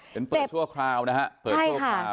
เป็นเปิดชั่วคราวนะฮะใช่ค่ะ